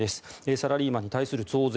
サラリーマンに対する増税。